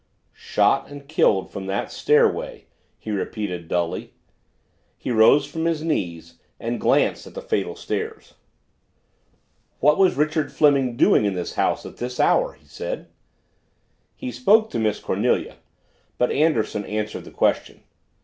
"Shot and killed from that stairway," he repeated dully. He rose from his knees and glanced at the fatal stairs. "What was Richard Fleming doing in this house at this hour?" he said. He spoke to Miss Cornelia but Anderson answered the question.